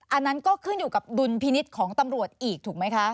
อันนั้นก็ขึ้นอยู่กับดุลพินิษฐ์ของตำรวจอีกถูกไหมคะ